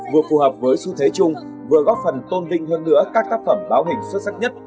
vừa phù hợp với xu thế chung vừa góp phần tôn vinh hơn nữa các tác phẩm báo hình xuất sắc nhất